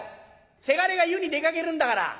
せがれが湯に出かけるんだから。